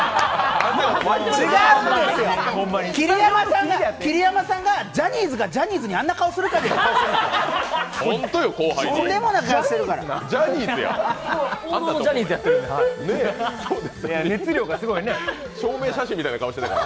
桐山さんが、ジャニーズがジャニーズにあんな顔するかっていう、とんでもない顔してるから。